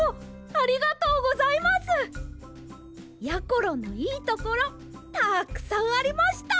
ころのいいところたくさんありました！